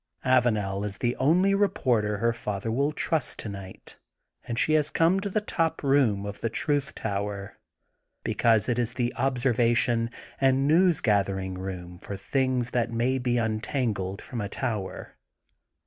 Avanel is the only reporter her father will J 146 THE GOLDEN BOOK OF SPRINGFIELD trust tonight and she has conie to the top room of the Truth Tower, because it is the observation and news gathering room for things that may be imtangled from a tower.